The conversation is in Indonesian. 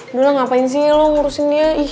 udah lah ngapain sih lo ngurusin dia ih